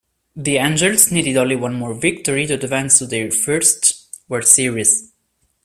The Angels needed only one more victory to advance to their first World Series.